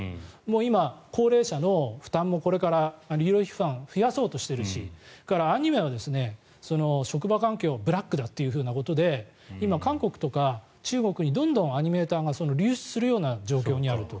今、高齢者の医療費負担もこれから増やそうとしているしそれからアニメは職場環境がブラックだということで今、韓国とか中国にどんどんアニメーターが流出するような状況にあると。